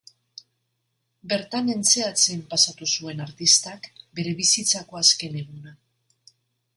Bertan entseatzen pasatu zuen artistak bere bizitzako azken eguna.